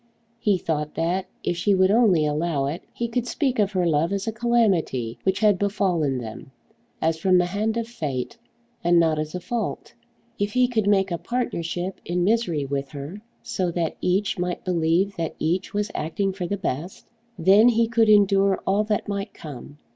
He thought that, if she would only allow it, he could speak of her love as a calamity which had befallen them, as from the hand of fate, and not as a fault. If he could make a partnership in misery with her, so that each might believe that each was acting for the best, then he could endure all that might come.